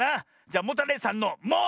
じゃモタレイさんの「モ」！